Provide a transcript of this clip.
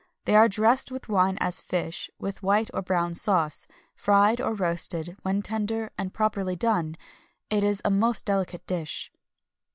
They are dressed with wine as fish, with white or brown sauce; fried, or roasted; when tender, and properly done, it is a most delicate dish."